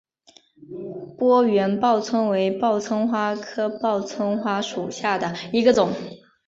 波缘报春为报春花科报春花属下的一个种。